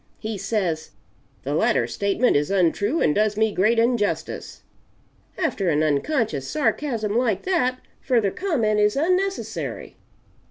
He says, 'The latter statement is untrue and does me great injustice.' After an unconscious sarcasm like that, further comment is unnecessary."